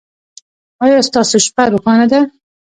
ایا ستاسو شپه روښانه ده؟